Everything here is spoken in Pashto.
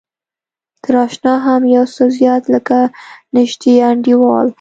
تر اشنا هم يو څه زيات لکه نژدې انډيوال.